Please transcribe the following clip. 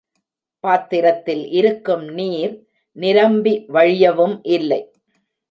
பாத்திரத்தில் இருக்கும் நீர் நிரம்பி வழியவும் இல்லை.